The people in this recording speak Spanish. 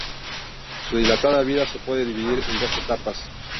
Su dilatada vida se puede dividir en dos etapas.